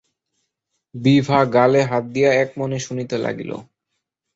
বিভা গালে হাত দিয়া এক মনে শুনিতে লাগিল।